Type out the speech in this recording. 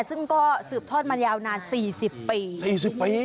ซึ่งก็เสือบทอดมานาน๔๐ปี